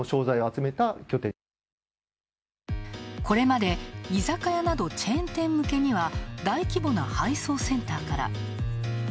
これまで居酒屋などチェーン店向けには大規模な配送センターから。